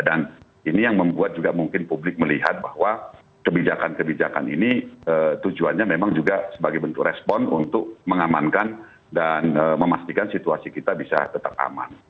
dan ini yang membuat juga mungkin publik melihat bahwa kebijakan kebijakan ini tujuannya memang juga sebagai bentuk respon untuk mengamankan dan memastikan situasi kita bisa tetap aman